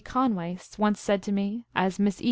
Conway once said to me, as Miss E.